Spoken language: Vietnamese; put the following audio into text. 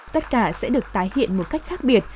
tất cả sẽ được tái hiện một cách khác biệt